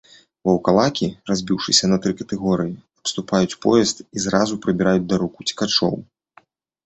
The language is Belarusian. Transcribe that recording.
Ваўкалакі, разбіўшыся на тры катэгорыі, абступаюць поезд і зразу прыбіраюць да рук уцекачоў.